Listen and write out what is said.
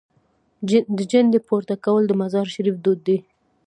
د جنډې پورته کول د مزار شریف دود دی.